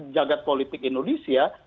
jagad politik indonesia